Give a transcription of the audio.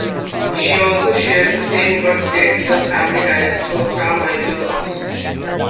She also shares the same birth date with her "Family Ties" co-star, Michael Gross.